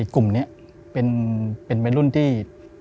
กลุ่มนี้เป็นวัยรุ่นที่